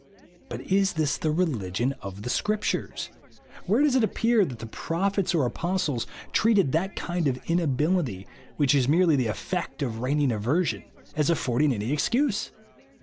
But is this the religion of the Scriptures ? Where does it appear that the prophets BELIEYl^ JUST NOW. 12t") or apostlos treated that kind of inability, which is merely the effect of reigning aversion, as affording any excuse?